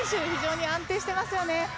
非常に安定していますね。